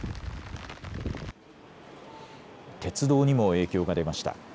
鉄道にも影響が出ました。